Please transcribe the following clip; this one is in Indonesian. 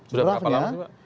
sudah berapa lama